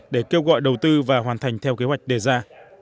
để kêu gọi đầu tư và hoàn thành theo kế hoạch đề ra